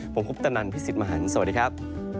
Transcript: ผมคุปตะนันพี่สิทธิ์มหันฯสวัสดีครับ